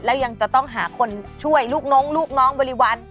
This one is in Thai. แล้วยังจะต้องหาคนช่วยลูกน้องลูกน้องบริวัล